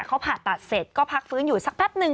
เขาผ่าตัดเสร็จก็พักฟื้นอยู่สักแป๊บนึง